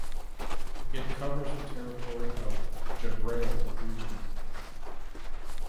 It covers the territory of Jabrayil region.